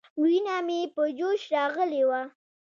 وينه مې په جوش راغلې وه.